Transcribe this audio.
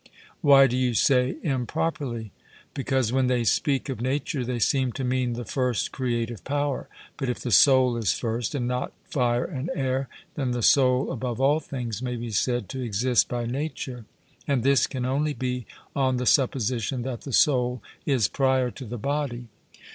'Why do you say "improperly"?' Because when they speak of nature they seem to mean the first creative power. But if the soul is first, and not fire and air, then the soul above all things may be said to exist by nature. And this can only be on the supposition that the soul is prior to the body.